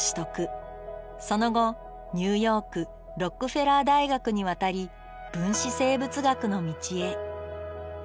その後ニューヨークロックフェラー大学に渡り分子生物学の道へ。